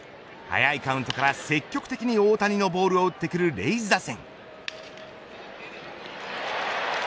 早いカウントから積極的に大谷のボールを打ってくるレイズ打線。